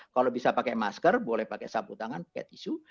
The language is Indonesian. kalau bisa pakai masker boleh pakai sapu tangan pakai tisu